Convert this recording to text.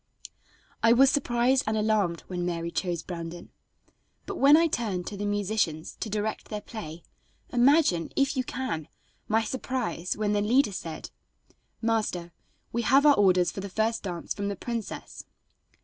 I was surprised and alarmed when Mary chose Brandon, but when I turned to the musicians to direct their play, imagine, if you can, my surprise when the leader said: "Master, we have our orders for the first dance from the princess."